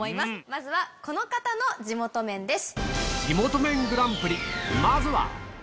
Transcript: まずはこの方の地元麺です。